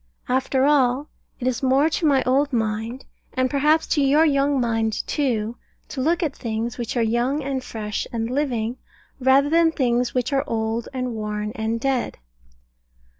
After all, it is more to my old mind, and perhaps to your young mind too, to look at things which are young and fresh and living, rather than things which are old and worn and dead.